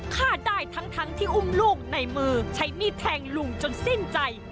ฆ่าได้ทั้งที่อุ้มลูกในมือใช้มีดแทงลุงจนสิ้นใจ